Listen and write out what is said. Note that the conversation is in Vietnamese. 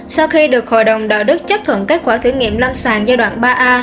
sau khi được hội đồng đạo đức chấp thuận kết quả thử nghiệm lâm sàng giai đoạn ba a